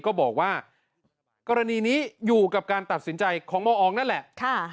ก็บอกว่ากรณีนี้อยู่กับการตัดสินใจของมอองนั่นแหละ